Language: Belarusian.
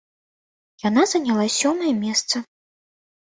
Яна заняла сёмае месца.